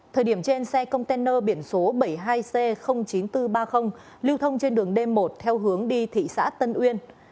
thời điểm trên xe container biển số bảy mươi hai c chín nghìn bốn trăm ba mươi lưu thông trên đường d một theo hướng đi thị xã tân uyên